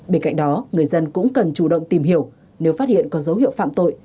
bên cạnh đó người dân cũng cần chủ động tìm hiểu nếu phát hiện có dấu hiệu phạm tội